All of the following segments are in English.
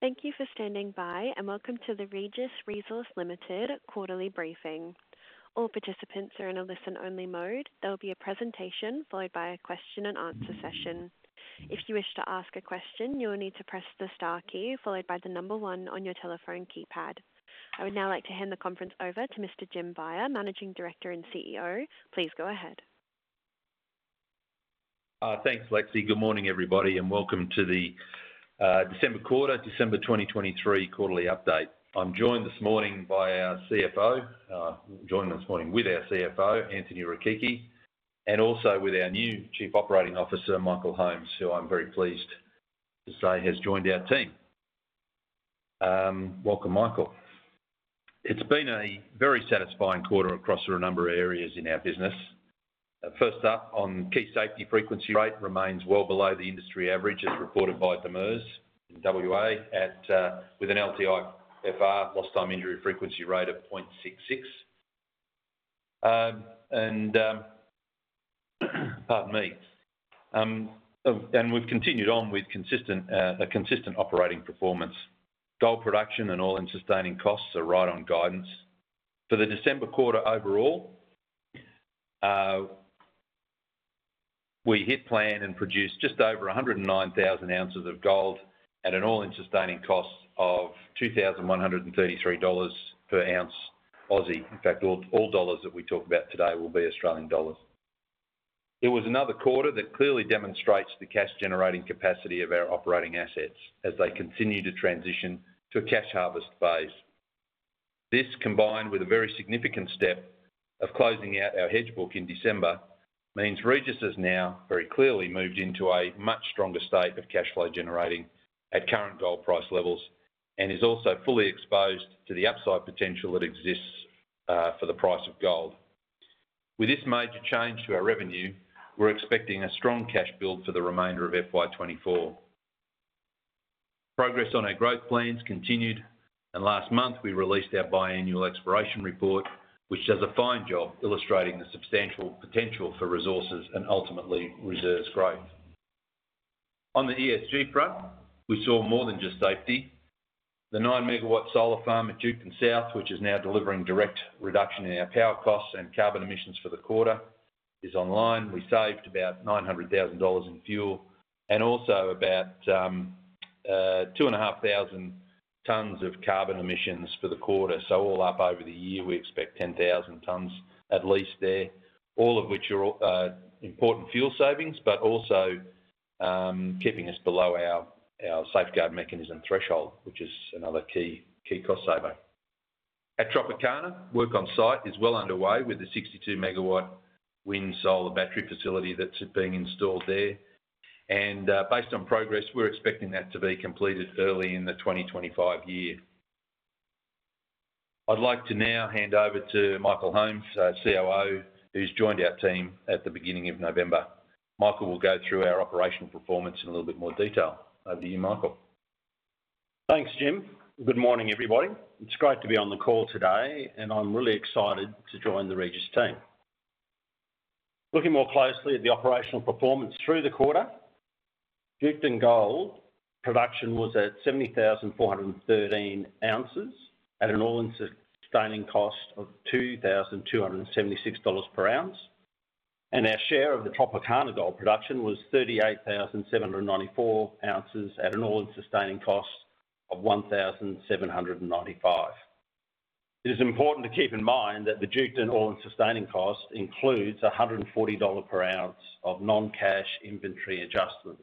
Thank you for standing by, and welcome to the Regis Resources Limited quarterly briefing. All participants are in a listen-only mode. There will be a presentation, followed by a question and answer session. If you wish to ask a question, you will need to press the star key, followed by the number one on your telephone keypad. I would now like to hand the conference over to Mr. Jim Beyer, Managing Director and CEO. Please go ahead. Thanks, Lexi. Good morning, everybody, and welcome to the December quarter, December 2023 quarterly update. I'm joined this morning by our CFO, Anthony Rechichi, and also with our new Chief Operating Officer, Michael Holmes, who I'm very pleased to say has joined our team. Welcome, Michael. It's been a very satisfying quarter across a number of areas in our business. First up, our key safety frequency rate remains well below the industry average, as reported by DMIRS in WA, with an LTIFR, Lost Time Injury Frequency Rate of 0.66. And we've continued on with a consistent operating performance. Gold production and all-in sustaining costs are right on guidance. For the December quarter overall, we hit plan and produced just over 109,000 ounces of gold at an All-In Sustaining Cost of 2,133 dollars per ounce Aussie. In fact, all dollars that we talk about today will be Australian dollars. It was another quarter that clearly demonstrates the cash-generating capacity of our operating assets as they continue to transition to a cash harvest phase. This, combined with a very significant step of closing out our hedge book in December, means Regis has now very clearly moved into a much stronger state of cash flow generating at current gold price levels, and is also fully exposed to the upside potential that exists for the price of gold. With this major change to our revenue, we're expecting a strong cash build for the remainder of FY 2024. Progress on our growth plans continued, and last month, we released our biannual exploration report, which does a fine job illustrating the substantial potential for resources and ultimately reserves growth. On the ESG front, we saw more than just safety. The 9-megawatt solar farm at Duketon South, which is now delivering direct reduction in our power costs and carbon emissions for the quarter, is online. We saved about 900,000 dollars in fuel and also about 2,500 tons of carbon emissions for the quarter. So all up over the year, we expect 10,000 tons at least there, all of which are important fuel savings, but also keeping us below our Safeguard Mechanism threshold, which is another key cost saver. At Tropicana, work on site is well underway, with the 62-megawatt wind solar battery facility that's being installed there. Based on progress, we're expecting that to be completed early in the 2025 year. I'd like to now hand over to Michael Holmes, our COO, who's joined our team at the beginning of November. Michael will go through our operational performance in a little bit more detail. Over to you, Michael. Thanks, Jim. Good morning, everybody. It's great to be on the call today, and I'm really excited to join the Regis team. Looking more closely at the operational performance through the quarter, Duketon Gold production was at 70,413 ounces at an All-in Sustaining Cost of $2,276 per ounce, and our share of the Tropicana Gold production was 38,794 ounces at an All-in Sustaining Cost of $1,795. It is important to keep in mind that the Duketon All-in Sustaining Cost includes a $140 per ounce of non-cash inventory adjustments.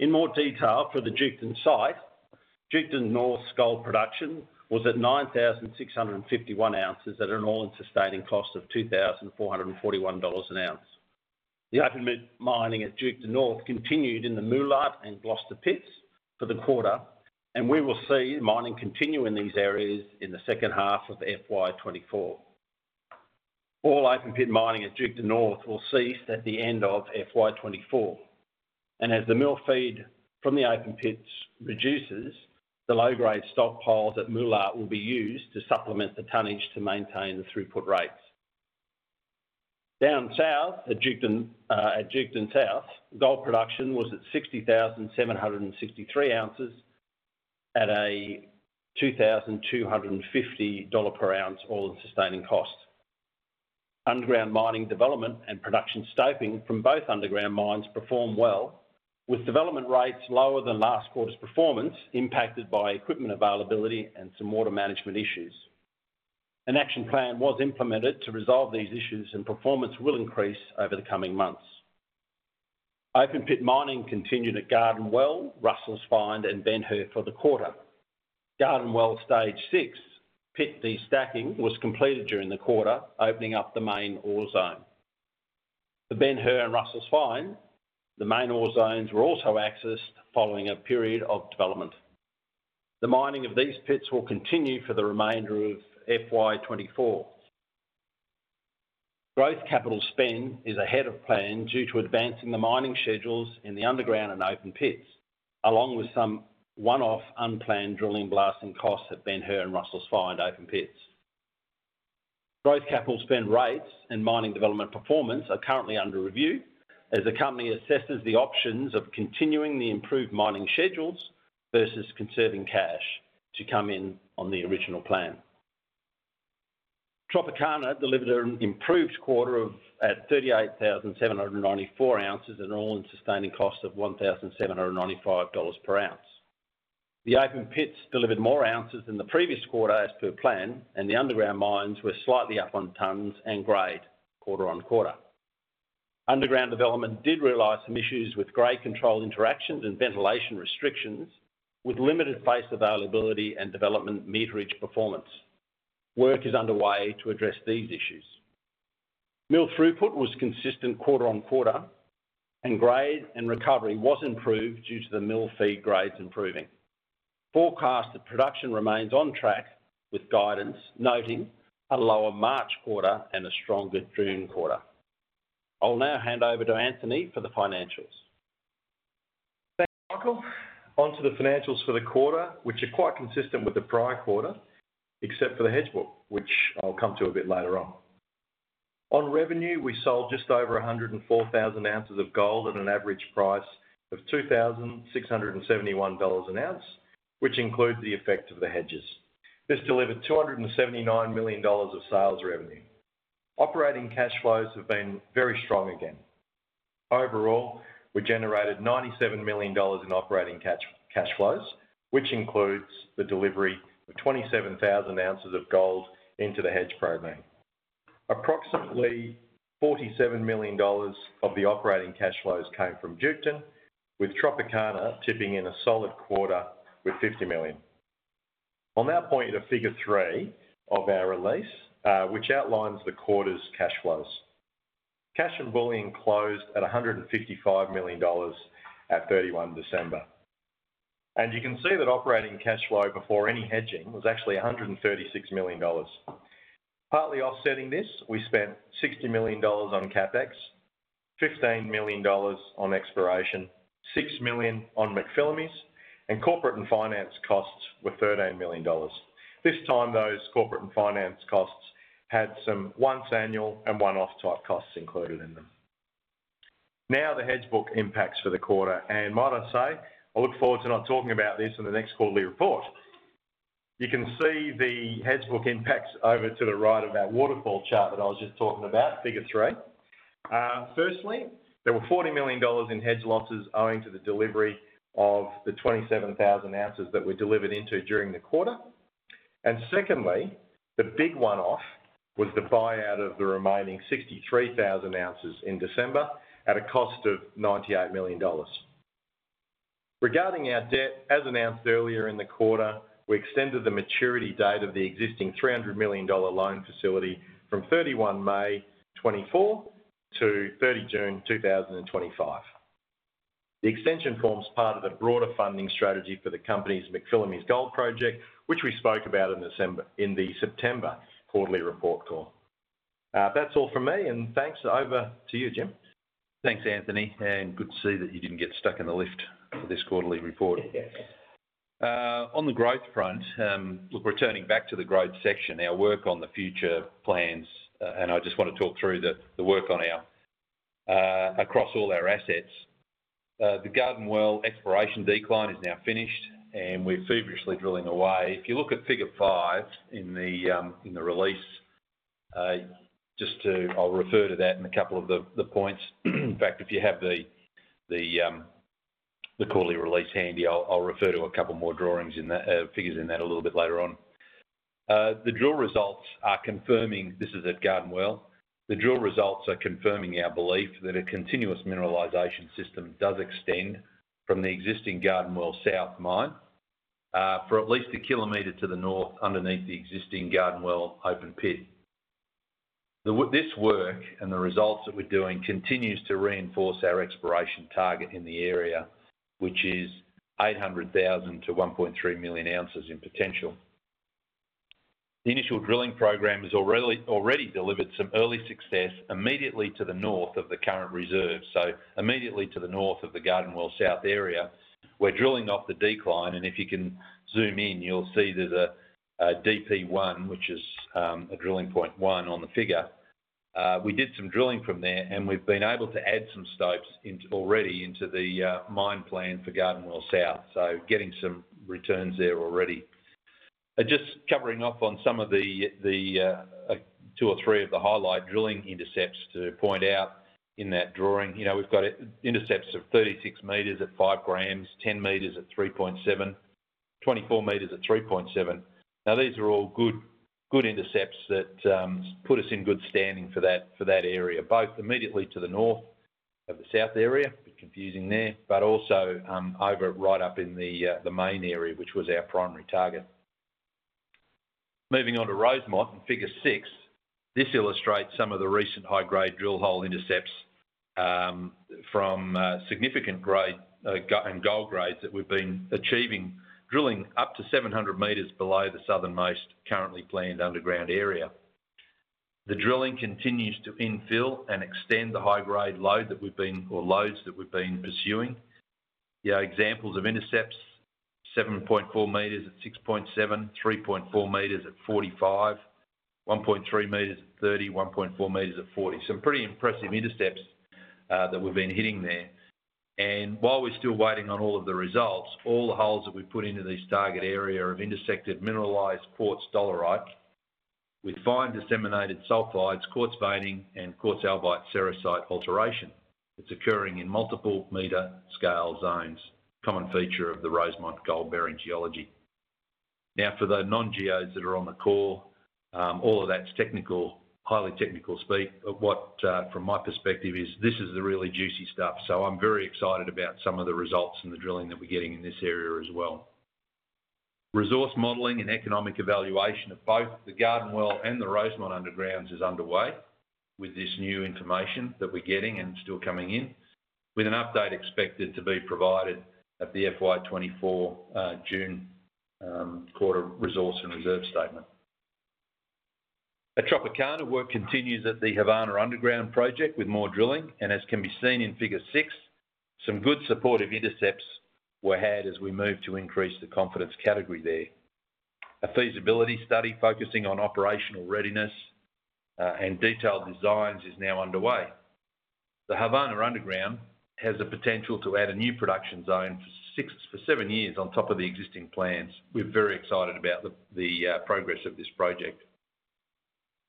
In more detail, for the Duketon site, Duketon North's gold production was at 9,651 ounces at an All-in Sustaining Cost of $2,441 an ounce. The open-pit mining at Duketon North continued in the Moolart and Gloster pits for the quarter, and we will see mining continue in these areas in the second half of FY 2024. All open-pit mining at Duketon North will cease at the end of FY 2024, and as the mill feed from the open pits reduces, the low-grade stockpiles at Moolart will be used to supplement the tonnage to maintain the throughput rates. Down south, at Duketon, at Duketon South, gold production was at 60,763 ounces at a 2,250 dollar per ounce All-In Sustaining Cost. Underground mining development and production stoping from both underground mines performed well, with development rates lower than last quarter's performance, impacted by equipment availability and some water management issues. An action plan was implemented to resolve these issues, and performance will increase over the coming months. Open-pit mining continued at Garden Well, Russell's Find, and Ben Hur for the quarter. Garden Well Stage 6 pit destacking was completed during the quarter, opening up the main ore zone. The Ben Hur and Russell's Find, the main ore zones were also accessed following a period of development. The mining of these pits will continue for the remainder of FY 2024. Growth capital spend is ahead of plan due to advancing the mining schedules in the underground and open pits, along with some one-off, unplanned drilling, blasting costs at Ben Hur and Russell's Find open pits.... Growth capital spend rates and mining development performance are currently under review, as the company assesses the options of continuing the improved mining schedules versus conserving cash to come in on the original plan. Tropicana delivered an improved quarter of 38,794 ounces at an All-In Sustaining Cost of $1,795 per ounce. The open pits delivered more ounces than the previous quarter as per plan, and the underground mines were slightly up on tons and grade, quarter on quarter. Underground development did realize some issues with grade control interactions and ventilation restrictions, with limited face availability and development meterage performance. Work is underway to address these issues. Mill throughput was consistent quarter on quarter, and grade and recovery was improved due to the mill feed grades improving. Forecasted production remains on track, with guidance noting a lower March quarter and a stronger June quarter. I'll now hand over to Anthony for the financials. Thanks, Michael. On to the financials for the quarter, which are quite consistent with the prior quarter, except for the hedge book, which I'll come to a bit later on. On revenue, we sold just over 104,000 ounces of gold at an average price of 2,671 dollars an ounce, which includes the effect of the hedges. This delivered 279 million dollars of sales revenue. Operating cash flows have been very strong again. Overall, we generated 97 million dollars in operating cash flows, which includes the delivery of 27,000 ounces of gold into the hedge program. Approximately 47 million dollars of the operating cash flows came from Duketon, with Tropicana tipping in a solid quarter with 50 million. I'll now point you to Figure 3 of our release, which outlines the quarter's cash flows. Cash and bullion closed at 155 million dollars at 31 December. You can see that operating cash flow before any hedging was actually 136 million dollars. Partly offsetting this, we spent 60 million dollars on CapEx, 15 million dollars on exploration, 6 million on McPhillamys, and corporate and finance costs were 13 million dollars. This time, those corporate and finance costs had some once annual and one-off type costs included in them. Now, the hedge book impacts for the quarter, and might I say, I look forward to not talking about this in the next quarterly report. You can see the hedge book impacts over to the right of that waterfall chart that I was just talking about, Figure 3. Firstly, there were 40 million dollars in hedge losses owing to the delivery of the 27,000 ounces that were delivered into during the quarter. And secondly, the big one-off was the buyout of the remaining 63,000 ounces in December at a cost of 98 million dollars. Regarding our debt, as announced earlier in the quarter, we extended the maturity date of the existing 300 million dollar loan facility from 31 May 2024 to 30 June 2025. The extension forms part of the broader funding strategy for the company's McPhillamys Gold Project, which we spoke about in the September quarterly report call. That's all from me, and thanks. Over to you, Jim. Thanks, Anthony, and good to see that you didn't get stuck in the lift for this quarterly report. On the growth front, returning back to the growth section, our work on the future plans, and I just want to talk through the work on our across all our assets. The Garden Well exploration decline is now finished, and we're feverishly drilling away. If you look at Figure 5 in the release, I'll refer to that in a couple of the points. In fact, if you have the quarterly release handy, I'll refer to a couple more drawings in that, figures in that a little bit later on. The drill results are confirming, this is at Garden Well, the drill results are confirming our belief that a continuous mineralization system does extend from the existing Garden Well South mine, for at least a kilometer to the north, underneath the existing Garden Well open pit. This work, and the results that we're doing, continues to reinforce our exploration target in the area, which is 800,000-1.3 million ounces in potential. The initial drilling program has already delivered some early success immediately to the north of the current reserve, so immediately to the north of the Garden Well South area. We're drilling off the decline, and if you can zoom in, you'll see there's a DP one, which is a drilling point one on the figure. We did some drilling from there, and we've been able to add some stopes into, already into the, mine plan for Garden Well South, so getting some returns there already. Just covering off on some of the two or three of the highlight drilling intercepts to point out in that drawing. You know, we've got intercepts of 36 meters at 5 grams, 10 meters at 3.7, 24 meters at 3.7. Now, these are all good, good intercepts that put us in good standing for that, for that area, both immediately to the north of the south area, bit confusing there, but also, over right up in the, the main area, which was our primary target. Moving on to Rosemont in Figure 6, this illustrates some of the recent high-grade drill hole intercepts from significant grade and gold grades that we've been achieving, drilling up to 700 meters below the southernmost currently planned underground area. The drilling continues to infill and extend the high-grade lode that we've been, or lodes that we've been pursuing. Yeah, examples of intercepts, 7.4 meters at 6.7, 3.4 meters at 45, 1.3 meters at 30, 1.4 meters at 40. Some pretty impressive intercepts that we've been hitting there. And while we're still waiting on all of the results, all the holes that we put into this target area have intersected mineralized quartz-dolerite, with fine disseminated sulfides, quartz veining, and quartz albite sericite alteration. It's occurring in multiple meter scale zones, common feature of the Rosemont gold-bearing geology. Now, for the non-geos that are on the call, all of that's technical, highly technical speak. But what, from my perspective is, this is the really juicy stuff, so I'm very excited about some of the results and the drilling that we're getting in this area as well. Resource modeling and economic evaluation of both the Garden Well and the Rosemont undergrounds is underway, with this new information that we're getting and still coming in, with an update expected to be provided at the FY 24 June quarter resource and reserve statement. At Tropicana, work continues at the Havana Underground project with more drilling, and as can be seen in Figure 6, some good supportive intercepts were had as we moved to increase the confidence category there. A feasibility study focusing on operational readiness and detailed designs is now underway. The Havana Underground has the potential to add a new production zone for 7 years on top of the existing plans. We're very excited about the progress of this project.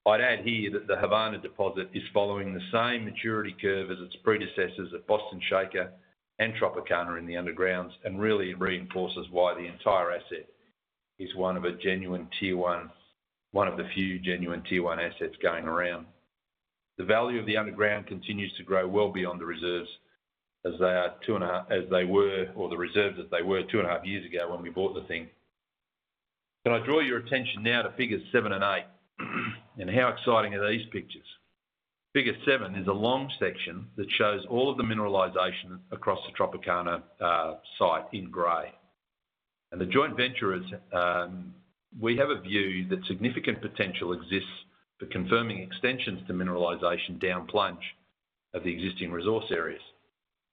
I'd add here that the Havana deposit is following the same maturity curve as its predecessors at Boston Shaker and Tropicana in the undergrounds, and really reinforces why the entire asset is one of a genuine Tier One, one of the few genuine Tier One assets going around. The value of the underground continues to grow well beyond the reserves, as they are 2.5... As they were, or the reserves as they were 2.5 years ago when we bought the thing. Can I draw your attention now to Figures 7 and 8? How exciting are these pictures? Figure 7 is a long section that shows all of the mineralization across the Tropicana site in gray. The joint venturers, we have a view that significant potential exists for confirming extensions to mineralization down plunge of the existing resource areas.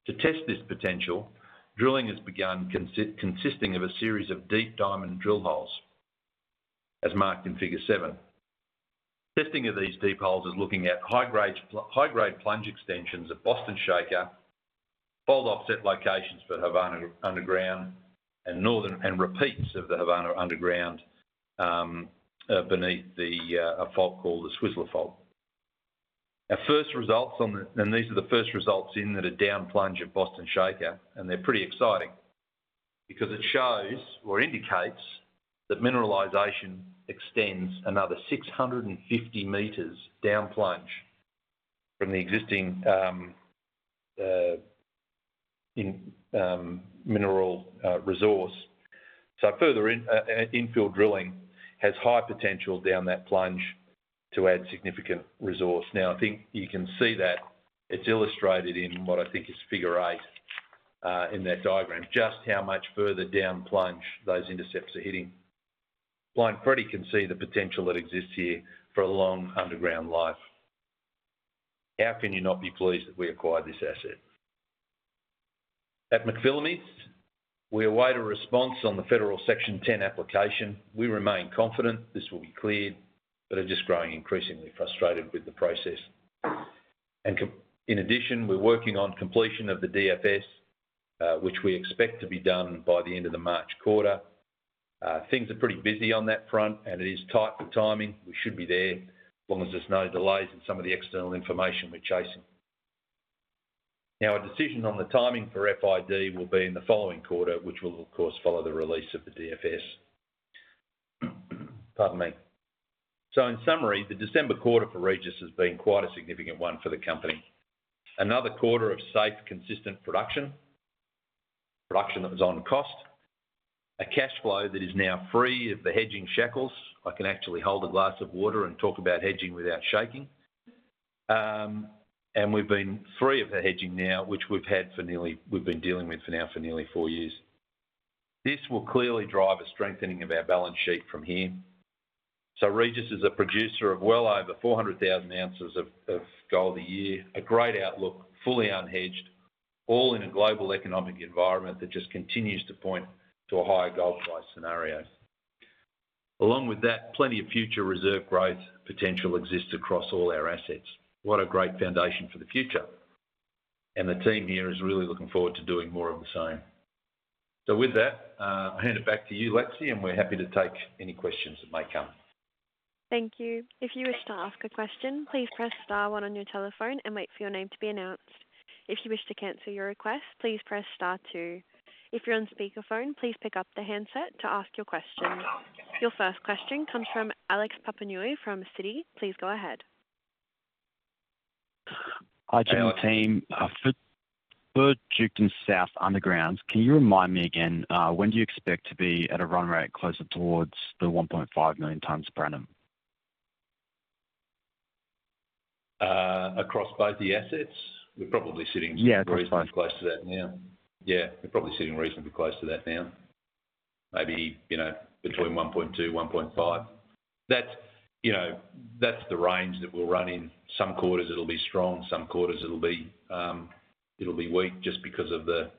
To test this potential, drilling has begun consisting of a series of deep diamond drill holes, as marked in Figure 7. Testing of these deep holes is looking at high-grade, high-grade plunge extensions at Boston Shaker, fold offset locations for Havana Underground, and northern, and repeats of the Havana Underground, beneath a fault called the Swizzler Fault. Our first results on the. These are the first results in that are down plunge at Boston Shaker, and they're pretty exciting. Because it shows or indicates that mineralization extends another 650 meters down plunge from the existing mineral resource. So further in-field drilling has high potential down that plunge to add significant resource. Now, I think you can see that it's illustrated in what I think is figure 8 in that diagram, just how much further down plunge those intercepts are hitting. Blind Freddy can see the potential that exists here for a long underground life. How can you not be pleased that we acquired this asset? At McPhillamys, we await a response on the Federal Section 10 application. We remain confident this will be cleared, but are just growing increasingly frustrated with the process. In addition, we're working on completion of the DFS, which we expect to be done by the end of the March quarter. Things are pretty busy on that front, and it is tight for timing. We should be there, as long as there's no delays in some of the external information we're chasing. Now, a decision on the timing for FID will be in the following quarter, which will, of course, follow the release of the DFS. Pardon me. So in summary, the December quarter for Regis has been quite a significant one for the company. Another quarter of safe, consistent production, production that was on cost, a cash flow that is now free of the hedging shackles. I can actually hold a glass of water and talk about hedging without shaking. We've been free of the hedging now, which we've had for nearly, we've been dealing with for now for nearly four years. This will clearly drive a strengthening of our balance sheet from here. Regis is a producer of well over 400,000 ounces of gold a year, a great outlook, fully unhedged, all in a global economic environment that just continues to point to a higher gold price scenario. Along with that, plenty of future reserve growth potential exists across all our assets. What a great foundation for the future! The team here is really looking forward to doing more of the same. With that, I'll hand it back to you, Lexi, and we're happy to take any questions that may come. Thank you. If you wish to ask a question, please press star one on your telephone and wait for your name to be announced. If you wish to cancel your request, please press star two. If you're on speakerphone, please pick up the handset to ask your question. Your first question comes from Alex Papanikolaou from Citi. Please go ahead. Hi, team. For Duketon South Underground, can you remind me again, when do you expect to be at a run rate closer towards the 1.5 million tons per annum? Across both the assets? We're probably sitting- Yeah, that's fine. ...reasonably close to that now. Yeah, we're probably sitting reasonably close to that now... maybe, you know, between 1.2-1.5. That's, you know, that's the range that we'll run in. Some quarters it'll be strong, some quarters it'll be weak, just because of the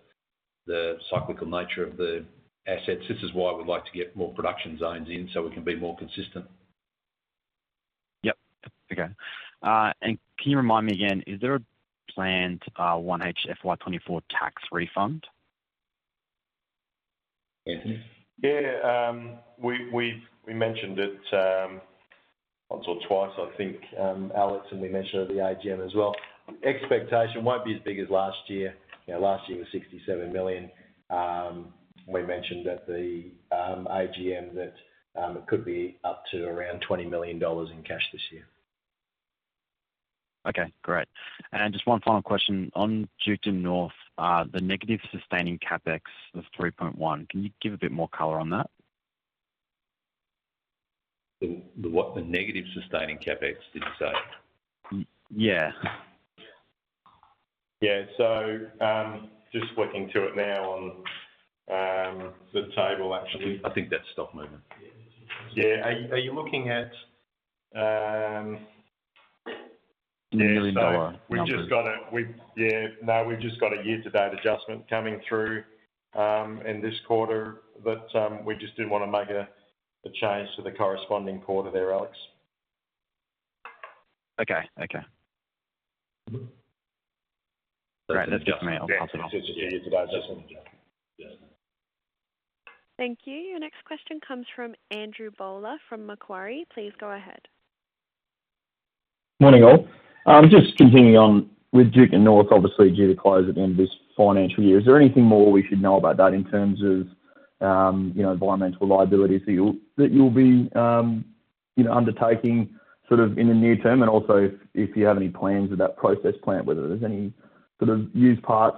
cyclical nature of the assets. This is why we'd like to get more production zones in, so we can be more consistent. Yep. Okay. And can you remind me again, is there a planned 1H FY 2024 tax refund? Anthony? Yeah, we mentioned it once or twice, I think, Alex, and we mentioned at the AGM as well. Expectation won't be as big as last year. You know, last year was 67 million. We mentioned at the AGM that it could be up to around 20 million dollars in cash this year. Okay, great. And just one final question. On Duketon North, the negative sustaining CapEx of 3.1, can you give a bit more color on that? The what? The negative sustaining CapEx, did you say? Y- yeah. Yeah. So, just flicking through it now on, the table, actually. I think, I think that's stock movement. Yeah. Are, are you looking at,- Nearly lower. Yeah, so we've just got a year-to-date adjustment coming through in this quarter, but we just didn't want to make a change to the corresponding quarter there, Alex. Okay. Okay. Great, that's just me. I'll pass it on. It's a year-to-date adjustment. Yeah. Thank you. Your next question comes from Andrew Bowler from Macquarie. Please go ahead. Morning, all. Just continuing on with Duketon North, obviously due to close at the end of this financial year. Is there anything more we should know about that in terms of, you know, environmental liabilities that you'll be, you know, undertaking sort of in the near term? And also, if you have any plans with that process plant, whether there's any sort of used parts,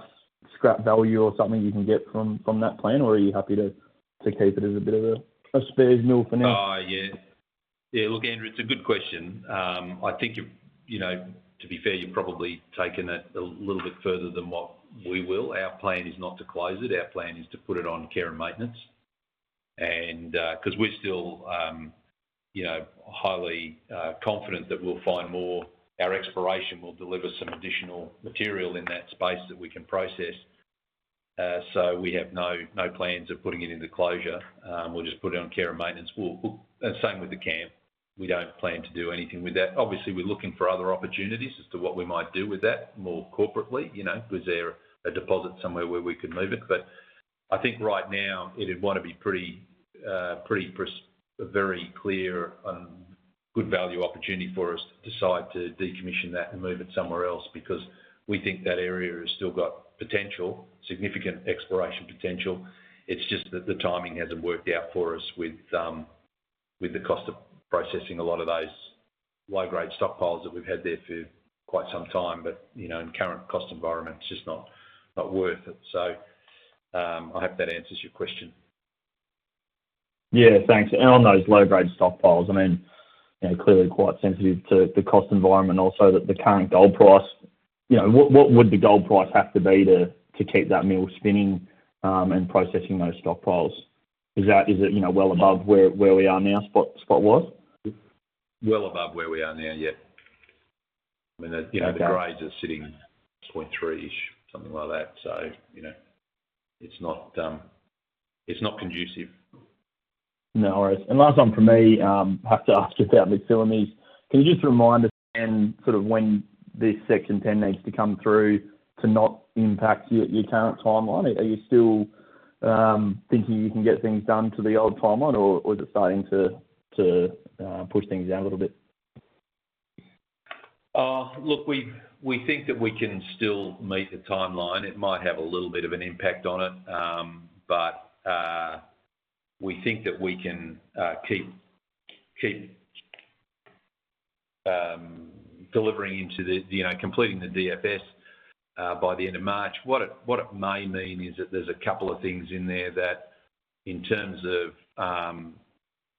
scrap value, or something you can get from that plant, or are you happy to keep it as a bit of a spares mill for now? Oh, yeah. Yeah, look, Andrew, it's a good question. I think you've, you know, to be fair, you've probably taken it a little bit further than what we will. Our plan is not to close it, our plan is to put it on care and maintenance. And, 'cause we're still, you know, highly confident that we'll find more. Our exploration will deliver some additional material in that space that we can process. So we have no, no plans of putting it into closure. We'll just put it on care and maintenance. And same with the camp, we don't plan to do anything with that. Obviously, we're looking for other opportunities as to what we might do with that more corporately, you know, is there a deposit somewhere where we could move it? But I think right now, it would want to be very clear and good value opportunity for us to decide to decommission that and move it somewhere else, because we think that area has still got potential, significant exploration potential. It's just that the timing hasn't worked out for us with the cost of processing a lot of those low-grade stockpiles that we've had there for quite some time. But, you know, in the current cost environment, it's just not, not worth it. So, I hope that answers your question. Yeah, thanks. And on those low-grade stockpiles, I mean, you know, clearly quite sensitive to the cost environment, also that the current gold price. You know, what would the gold price have to be to keep that mill spinning, and processing those stockpiles? Is it, you know, well above where we are now, spot was? Well above where we are now, yeah. I mean, the, you know- Okay... the grades are sitting 0.3-ish, something like that. So, you know, it's not, it's not conducive. No worries. Last one from me, have to ask about McPhillamys. Can you just remind us again, sort of when this Section 10 needs to come through to not impact your current timeline? Are you still thinking you can get things done to the old timeline, or is it starting to push things out a little bit? Look, we think that we can still meet the timeline. It might have a little bit of an impact on it. But, we think that we can keep delivering into the, you know, completing the DFS by the end of March. What it may mean is that there's a couple of things in there that in terms of,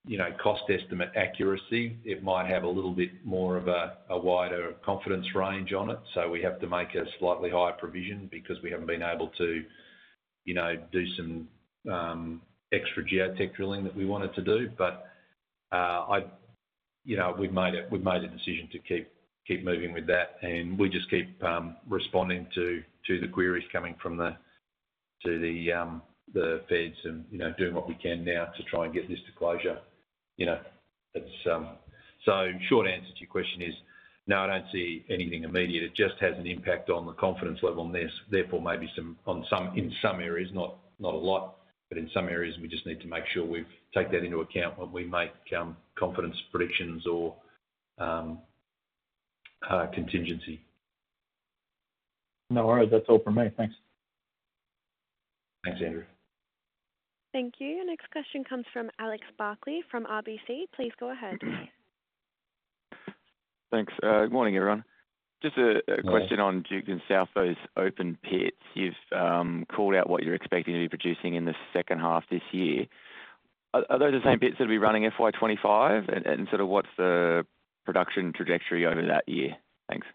you know, cost estimate accuracy, it might have a little bit more of a wider confidence range on it. So we have to make a slightly higher provision because we haven't been able to, you know, do some extra geotech drilling that we wanted to do. But, you know, we've made a decision to keep moving with that, and we just keep responding to the queries coming from the feds and, you know, doing what we can now to try and get this to closure. You know, it's so short answer to your question is, no, I don't see anything immediate. It just has an impact on the confidence level on this. Therefore, maybe some, in some areas, not a lot, but in some areas, we just need to make sure we take that into account when we make confidence predictions or contingency. No worries. That's all from me. Thanks. Thanks, Andrew. Thank you. Our next question comes from Alex Barkley from RBC. Please go ahead. Thanks. Good morning, everyone. Morning. Just a question on Duketon South's open pits. You've called out what you're expecting to be producing in the second half this year. Are those the same pits that'll be running FY 25? And sort of what's the production trajectory over that year? Thanks. ...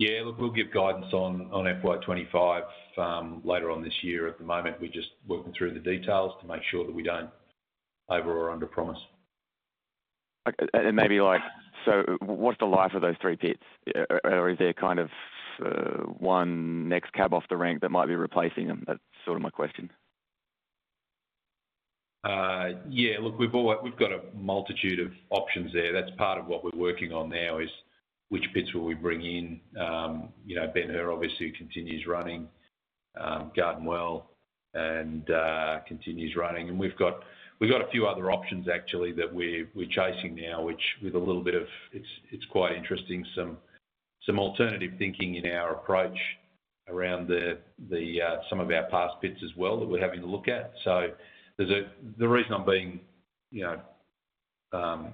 Yeah, look, we'll give guidance on FY 25 later on this year. At the moment, we're just working through the details to make sure that we don't over or underpromise. Okay, and maybe like, so what's the life of those three pits? Or is there kind of, one next cab off the rank that might be replacing them? That's sort of my question. Yeah, look, we've got a multitude of options there. That's part of what we're working on now is which pits will we bring in. You know, Ben Hur obviously continues running, Garden Well, and continues running. And we've got, we've got a few other options actually, that we, we're chasing now, which with a little bit of... It's, it's quite interesting, some, some alternative thinking in our approach around the, the, some of our past pits as well that we're having to look at. So the reason I'm being, you know,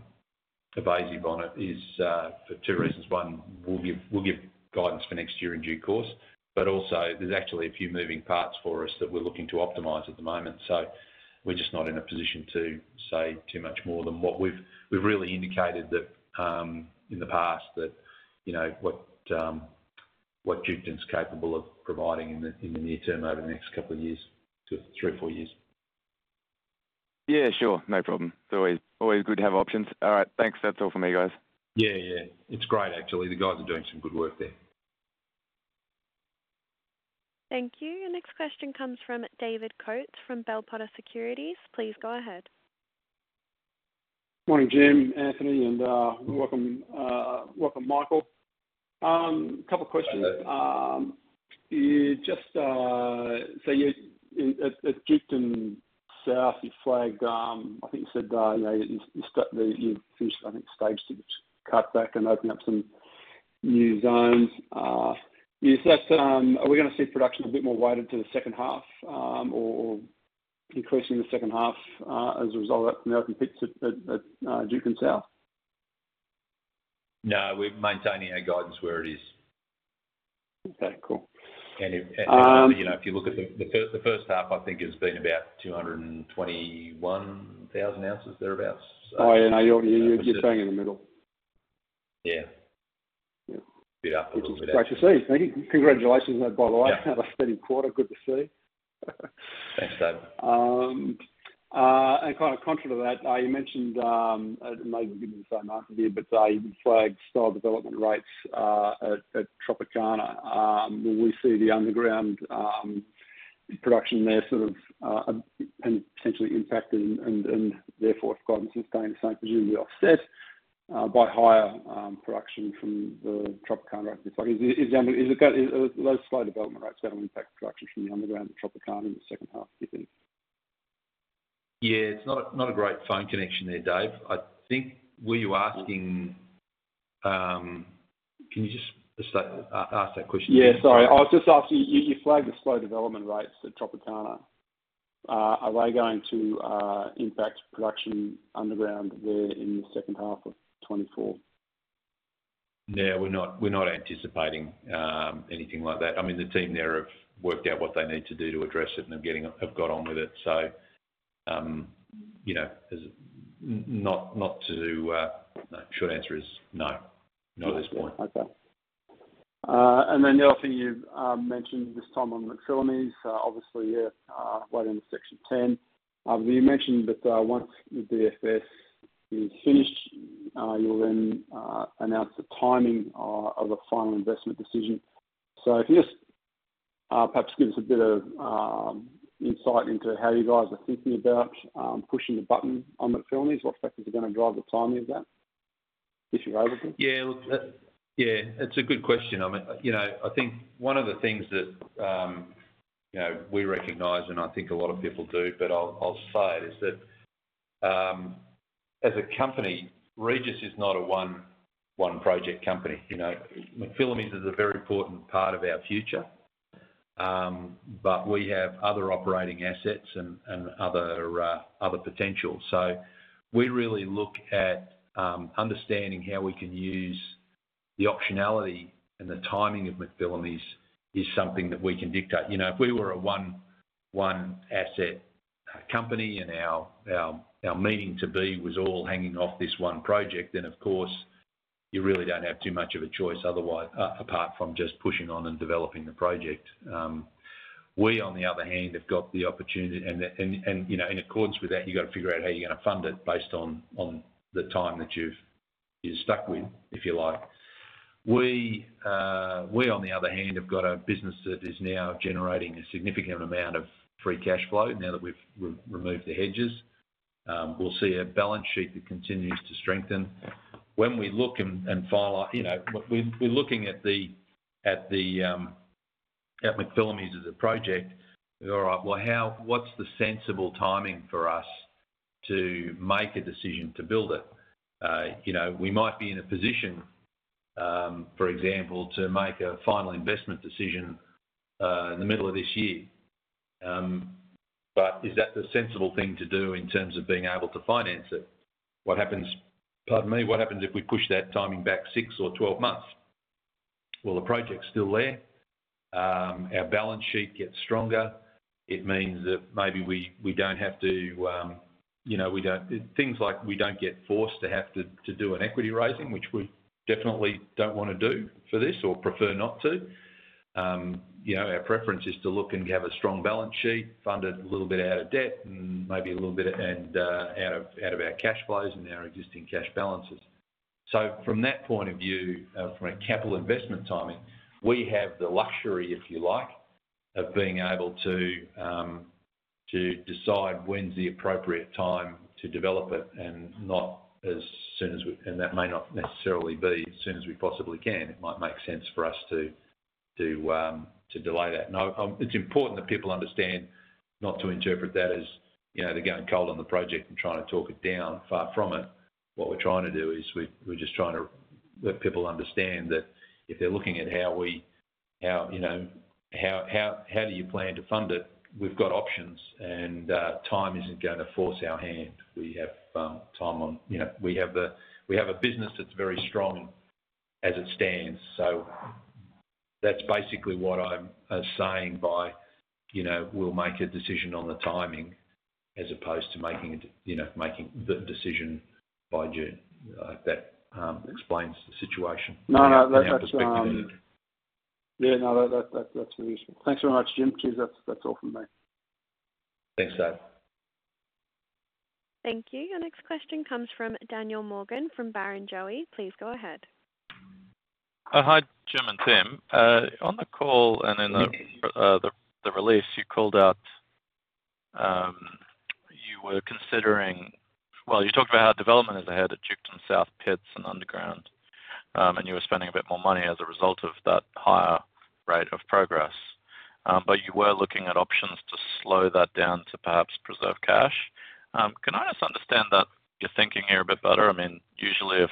evasive on it is, for two reasons. One, we'll give, we'll give guidance for next year in due course, but also there's actually a few moving parts for us that we're looking to optimize at the moment. So we're just not in a position to say too much more than what we've really indicated that, in the past, that, you know, what Duketon's capable of providing in the near term, over the next couple of years, to three or four years. Yeah, sure. No problem. It's always, always good to have options. All right. Thanks. That's all for me, guys. Yeah, yeah, it's great, actually. The guys are doing some good work there. Thank you. Your next question comes from David Coates from Bell Potter Securities. Please go ahead. Morning, Jim, Anthony, and welcome, welcome, Michael. Couple of questions. Hi, David. At Duketon South, you flagged, I think you said, you know, you finished, I think, stage six, cut back and open up some new zones. Is that, are we gonna see production a bit more weighted to the second half, or increasing the second half, as a result of opening pits at Duketon South? No, we're maintaining our guidance where it is. Okay, cool. You know, if you look at the first half, I think, has been about 221,000 ounces, thereabout. Oh, yeah. You're, you're staying in the middle. Yeah. Yeah. Bit up- Which is great to see. Thank you. Congratulations, by the way- Yeah. -on a steady quarter. Good to see. Thanks, David. Kind of contrary to that, you mentioned, maybe give me the same answer here, but you flagged slow development rates at Tropicana. Will we see the underground production there sort of and potentially impacted and therefore, if guidance is staying the same, presumably offset by higher production from the Tropicana? Is those slow development rates going to impact production from the underground Tropicana in the second half, do you think? Yeah, it's not a great phone connection there, Dave. I think, were you asking... Can you just ask that question? Yeah, sorry. I was just asking, you flagged the slow development rates at Tropicana. Are they going to impact production underground there in the second half of 2024? Yeah, we're not, we're not anticipating anything like that. I mean, the team there have worked out what they need to do to address it, and they have got on with it. So, you know, not to... The short answer is no, not at this point. Okay. And then the other thing you've mentioned this time on McPhillamys, obviously, right in Section 10. You mentioned that once the DFS is finished, you'll then announce the timing of a Final Investment Decision. So if you just perhaps give us a bit of insight into how you guys are thinking about pushing the button on McPhillamys. What factors are gonna drive the timing of that, if you're able to? Yeah. Look, yeah, it's a good question. You know, I think one of the things that, you know, we recognize, and I think a lot of people do, but I'll, I'll say it, is that, as a company, Regis is not a one, one project company. You know, McPhillamys is a very important part of our future, but we have other operating assets and other potentials. So we really look at understanding how we can use the optionality, and the timing of McPhillamys is something that we can dictate. You know, if we were a one, one asset company, and our meaning to be was all hanging off this one project, then of course, you really don't have too much of a choice otherwise, apart from just pushing on and developing the project. We, on the other hand, have got the opportunity, and you know, in accordance with that, you've got to figure out how you're gonna fund it based on the time that you've stuck with, if you like. We, on the other hand, have got a business that is now generating a significant amount of free cash flow now that we've re-removed the hedges. We'll see a balance sheet that continues to strengthen. When we look and follow... You know, we're looking at McPhillamys as a project. All right, well, what's the sensible timing for us to make a decision to build it? You know, we might be in a position, for example, to make a final investment decision in the middle of this year. But is that the sensible thing to do in terms of being able to finance it? What happens, pardon me, what happens if we push that timing back six or 12 months? Well, the project's still there. Our balance sheet gets stronger. It means that maybe we, we don't have to, you know, things like we don't get forced to have to, to do an equity raising, which we definitely don't wanna do for this or prefer not to. You know, our preference is to look and have a strong balance sheet, fund it a little bit out of debt and maybe a little bit, and, out of, out of our cash flows and our existing cash balances. So from that point of view, from a capital investment timing, we have the luxury, if you like, of being able to to decide when's the appropriate time to develop it and not as soon as we. And that may not necessarily be as soon as we possibly can. It might make sense for us to delay that. Now, it's important that people understand not to interpret that as, you know, they're going cold on the project and trying to talk it down, far from it. What we're trying to do is we're just trying to let people understand that if they're looking at how, you know, how do you plan to fund it? We've got options, and time isn't gonna force our hand. We have time on, you know, we have a business that's very strong as it stands. So that's basically what I'm saying by, you know, we'll make a decision on the timing as opposed to making it, you know, making the decision by June. That explains the situation- No, no, that's, From our perspective. Yeah, no, that's useful. Thanks very much, Jim. Cheers. That's all from me. Thanks, Dave. Thank you. Our next question comes from Daniel Morgan, from Barrenjoey. Please go ahead. Hi, Jim and team. On the call and in the- Hi, Daniel... the release, you called out, you were considering—Well, you talked about how development is ahead at Duketon South pits and underground. And you were spending a bit more money as a result of that higher rate of progress. But you were looking at options to slow that down to perhaps preserve cash. Can I just understand that you're thinking here a bit better? I mean, usually,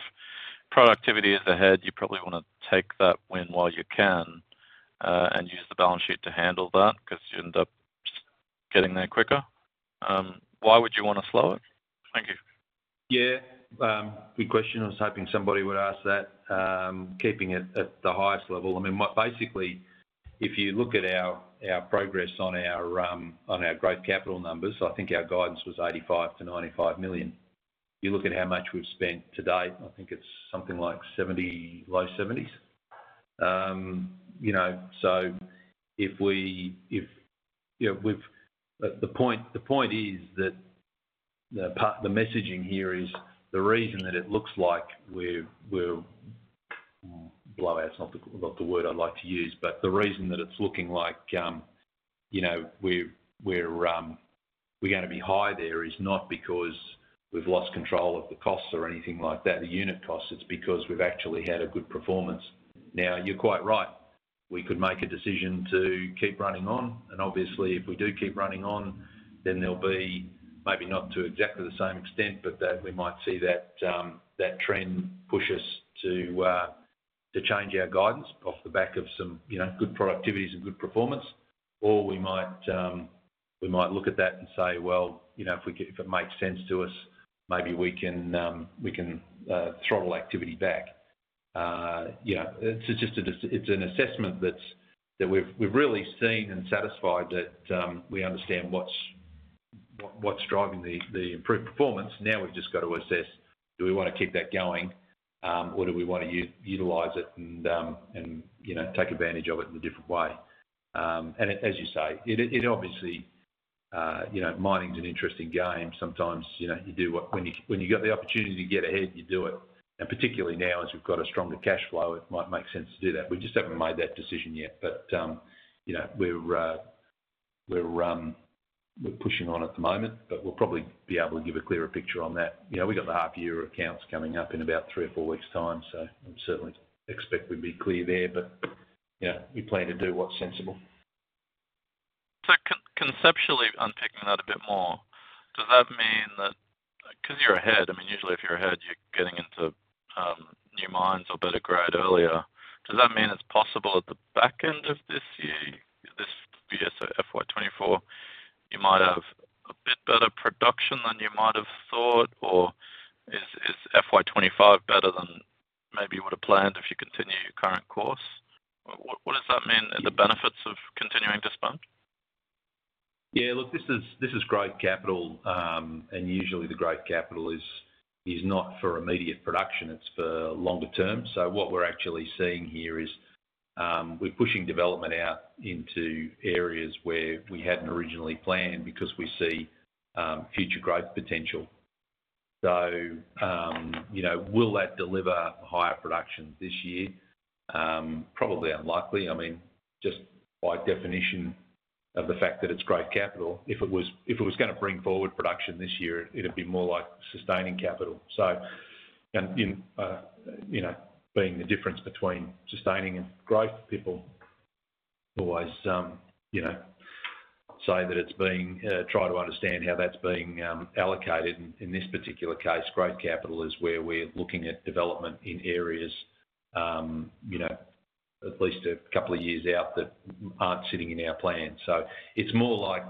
if productivity is ahead, you probably wanna take that win while you can, and use the balance sheet to handle that, 'cause you end up just getting there quicker. Why would you wanna slow it? Thank you. Yeah. Good question. I was hoping somebody would ask that. Keeping it at the highest level, I mean, basically, if you look at our, our progress on our, on our growth capital numbers, I think our guidance was 85 million-95 million. You look at how much we've spent to date, I think it's something like 70 million, low 70s million. You know, so if if, you know, we've. But the point, the point is that the messaging here is the reason that it looks like we're, we're blow out, it's not the, not the word I'd like to use, but the reason that it's looking like, you know, we're, we're, we're gonna be high there is not because we've lost control of the costs or anything like that, the unit costs, it's because we've actually had a good performance. Now, you're quite right. We could make a decision to keep running on, and obviously, if we do keep running on, then there'll be maybe not to exactly the same extent, but that we might see that, that trend push us to, to change our guidance off the back of some, you know, good productivities and good performance. Or we might, we might look at that and say, well, you know, if we if it makes sense to us, maybe we can, we can, throttle activity back. Yeah, it's just an assessment that's, that we've, we've really seen and satisfied that, we understand what's, what, what's driving the, the improved performance. Now, we've just got to assess, do we wanna keep that going? Or do we wanna utilize it and, you know, take advantage of it in a different way? And as you say, it obviously, you know, mining's an interesting game. Sometimes, you know, you do. When you get the opportunity to get ahead, you do it. And particularly now, as we've got a stronger cash flow, it might make sense to do that. We just haven't made that decision yet, but, you know, we're pushing on at the moment, but we'll probably be able to give a clearer picture on that. You know, we got the half-year accounts coming up in about three or four weeks time, so I certainly expect we'd be clear there. But, yeah, we plan to do what's sensible. So, conceptually, unpicking that a bit more, does that mean that, 'cause you're ahead, I mean, usually if you're ahead, you're getting into new mines or better grade earlier. Does that mean it's possible at the back end of this year, this year, so FY 24, you might have a bit better production than you might have thought, or is FY 25 better than maybe you would have planned if you continue your current course? What does that mean, are the benefits of continuing to spend? Yeah, look, this is, this is growth capital, and usually, the growth capital is, is not for immediate production, it's for longer term. So what we're actually seeing here is, we're pushing development out into areas where we hadn't originally planned because we see, future growth potential. So, you know, will that deliver higher production this year? Probably unlikely. I mean, just by definition of the fact that it's growth capital, if it was, if it was gonna bring forward production this year, it'd be more like sustaining capital. So, and in, you know, being the difference between sustaining and growth, people always, you know, say that it's being, try to understand how that's being, allocated. In this particular case, growth capital is where we're looking at development in areas, you know, at least a couple of years out that aren't sitting in our plan. So it's more like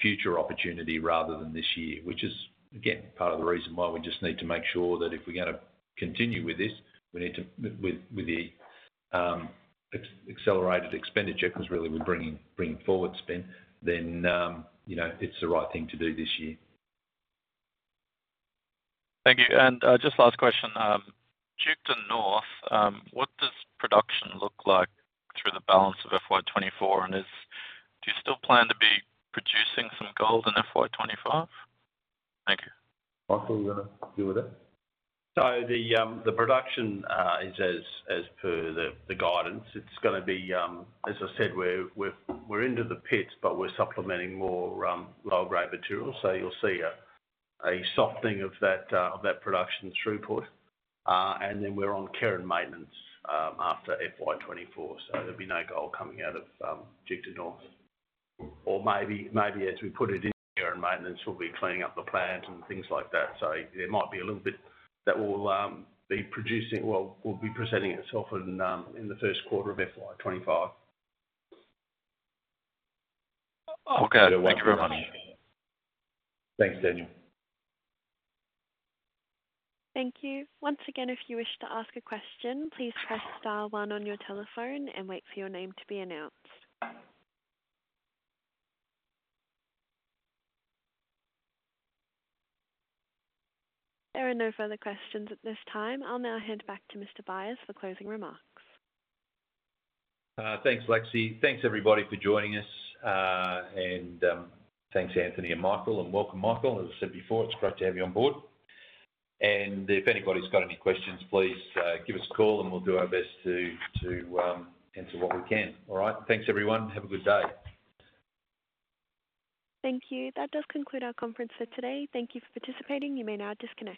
future opportunity rather than this year, which is, again, part of the reason why we just need to make sure that if we're gonna continue with this, we need to with the accelerated expenditure, because really we're bringing forward spend, then, you know, it's the right thing to do this year. Thank you. Just last question. Duketon North, what does production look like through the balance of FY 2024, and do you still plan to be producing some gold in FY 2025? Thank you. Michael, you wanna deal with that? So the production is as per the guidance. It's gonna be, as I said, we're into the pits, but we're supplementing more low-grade material. So you'll see a softening of that production throughput. And then we're on care and maintenance after FY 2024, so there'll be no gold coming out of Duketon North. Or maybe, maybe as we put it in care and maintenance, we'll be cleaning up the plant and things like that. So there might be a little bit that will be producing, well, will be presenting itself in the first quarter of FY 2025. Okay. Thank you very much. Thanks, Daniel. Thank you. Once again, if you wish to ask a question, please press star one on your telephone and wait for your name to be announced. There are no further questions at this time. I'll now hand back to Mr. Beyer for closing remarks. Thanks, Lexi. Thanks, everybody, for joining us. Thanks, Anthony and Michael, and welcome, Michael. As I said before, it's great to have you on board. If anybody's got any questions, please give us a call and we'll do our best to answer what we can. All right? Thanks, everyone. Have a good day. Thank you. That does conclude our conference for today. Thank you for participating. You may now disconnect.